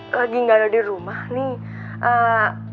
lagi nggak ada di rumah nih